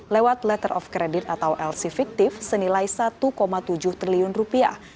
lewat letter of credit atau lc fiktif senilai satu tujuh triliun rupiah